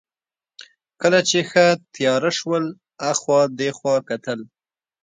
کله چې ښه تېاره شول، اخوا دېخوا کتل.